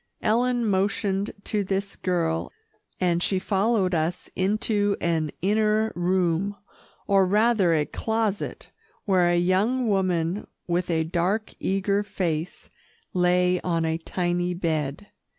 Ellen motioned to this girl, and she followed us into an inner room, or rather a closet, where a young woman with a dark, eager face lay on a tiny bed.